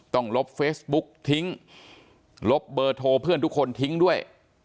ลบเฟซบุ๊กทิ้งลบเบอร์โทรเพื่อนทุกคนทิ้งด้วย